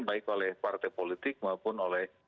baik oleh partai politik maupun oleh